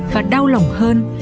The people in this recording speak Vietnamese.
và đau lòng hơn